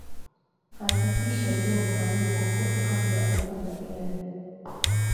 hakikisha udongo hauna kokoto kabla ya kupanda viazi